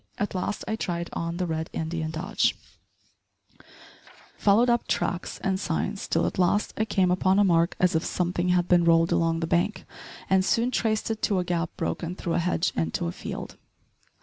At last I tried on the Red Indian dodge followed up tracks and signs, till at last I came upon a mark as if somethin' had bin rolled along the bank, and soon traced it to a gap broken through a hedge into a field.